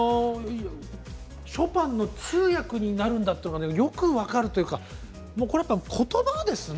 ショパンの通訳になるんだということがよく分かるというかこれは、ことばですね